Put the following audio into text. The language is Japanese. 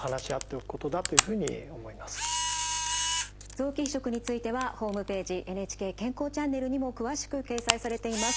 臓器移植についてはホームページ「ＮＨＫ健康チャンネル」にも詳しく掲載されています。